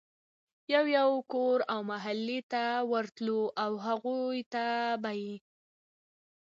يو يو کور او محلې ته ورتلو او هغوی ته به ئي